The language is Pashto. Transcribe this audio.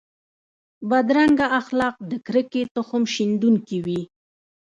بدرنګه اخلاق د کرکې تخم شندونکي وي